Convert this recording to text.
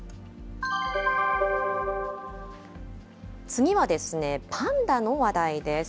次はですね、パンダの話題です。